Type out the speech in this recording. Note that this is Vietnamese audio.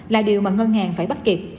là điều mà ngân hàng phải bắt kịp